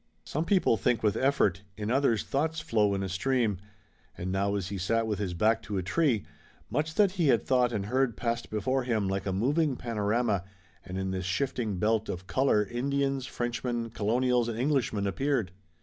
Some people think with effort, in others thoughts flow in a stream, and now as he sat with his back to a tree, much that he had thought and heard passed before him like a moving panorama and in this shifting belt of color Indians, Frenchmen, Colonials and Englishmen appeared.